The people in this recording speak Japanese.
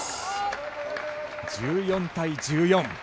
１４対１４。